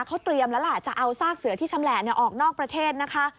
เขาเตรียมแล้วล่ะจะเอาซากเสือที่ชำแหละออกนอกประเทศนะคะ